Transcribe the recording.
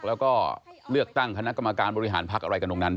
แล้วก็เลือกตั้งคณะกรรมการบริหารพักอะไรกันตรงนั้นด้วย